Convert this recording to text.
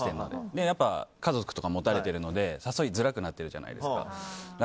家族とか持たれてるので誘いづらくなってるじゃないですか。